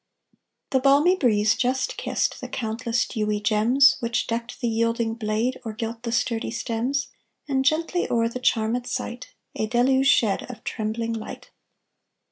The balmy breeze just kissed The countless dewy gems Which decked the yielding blade Or gilt the sturdy stems, And gently o'er The charmed sight A deluge shed Of trembling light.